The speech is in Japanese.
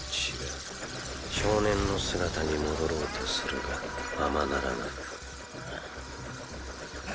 少年の姿に戻ろうとするがままならないん？